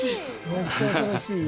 めっちゃ新しい家。